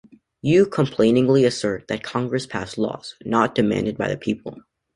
You complainingly assert that Congress passed laws not demanded by the people.